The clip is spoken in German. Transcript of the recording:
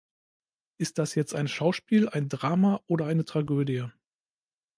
Ist das jetzt ein Schauspiel, ein Drama oder eine Tragödie?